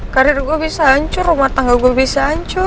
karir gue bisa hancur rumah tangga gue bisa hancur